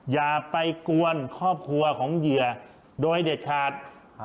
อย่าไปกวนครอบครัวของเหยื่อโดยเด็ดขาด